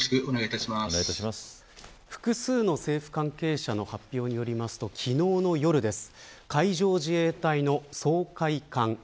複数の政府関係者の発表によりますと昨日の夜です。